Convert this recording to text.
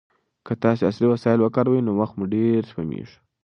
که تاسي عصري وسایل وکاروئ نو وخت مو ډېر سپمېږي.